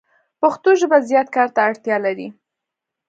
پښتو ژبه زیات کار ته اړتیا لری